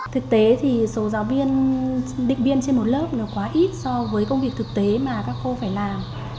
thực tế thì số giáo viên định biên trên một lớp quá ít so với công việc thực tế mà các cô phải làm